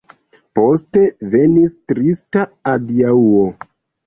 Poste venis trista adiaŭo.